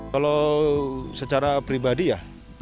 kalau secara pribadi ya